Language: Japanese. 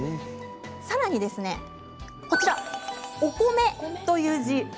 さらに、お米という字。